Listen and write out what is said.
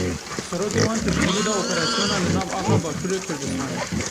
Serokê wan piştgirî da operasyona li nav axa Başûrê Kurdistanê.